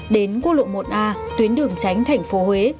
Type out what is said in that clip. đến quốc lộ một a tuyến đường tránh thành phố huế